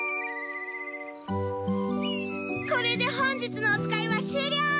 これで本日のおつかいは終りょう！